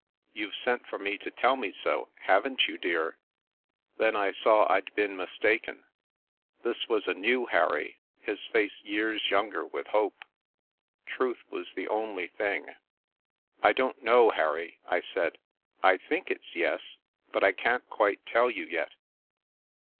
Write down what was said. You've sent for me to tell me so, haven't you, dear ?" Then I saw I'd been mistaken — this was a new Harry, his face years younger with hope. Truth was the only thing. " I don't know, Harry,'* I said. " I think it's ' yes/ but I can't quite tell you yet."